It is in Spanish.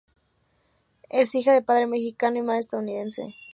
Es hija de padre mexicano y madre estadounidense.